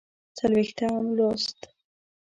څلوېښتم لوست